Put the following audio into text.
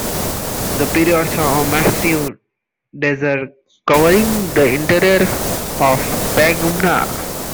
The period saw a massive desert covering the interior of Pangaea.